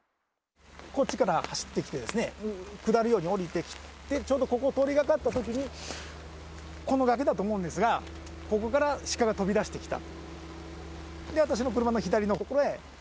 こっちから走ってきてですね、下るように下りてきて、ちょうどここを通りかかったときに、この崖だと思うんですが、ここからシカが飛び出してきた。